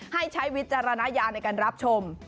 ให้ใช้วิจารณายาในการรับชม